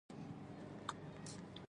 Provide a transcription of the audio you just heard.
جلا کېدل